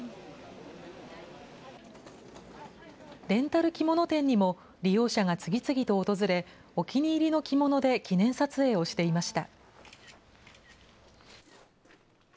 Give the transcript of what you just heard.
レンタル着物店にも利用者が次々と訪れ、お気に入りの着物で記念撮影をしていました。